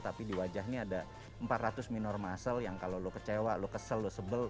tapi di wajah ini ada empat ratus minor muscle yang kalau lo kecewa lo kesel lo sebel